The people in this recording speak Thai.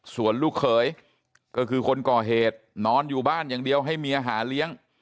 ส่วนลูกเขยก็คือคนก่อเหตุนอนอยู่บ้านอย่างเดียวให้เมียหาเลี้ยง